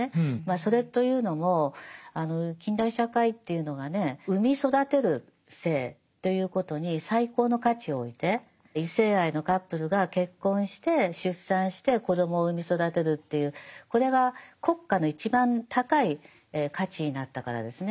それというのも近代社会っていうのがね産み育てる性ということに最高の価値を置いて異性愛のカップルが結婚して出産して子どもを産み育てるっていうこれが国家の一番高い価値になったからですね。